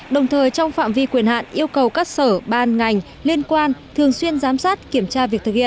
đồng thời trong phạm vi quyền hạn yêu cầu các sở ban ngành liên quan thường xuyên giám sát kiểm tra việc thực hiện